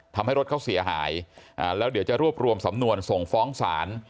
ทำให้รถเขาเสียหายแล้วเดี๋ยวจะรวบรวมสำนวนส่งฟ้องศาล